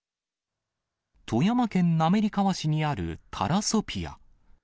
富山県滑川市にあるタラソピア。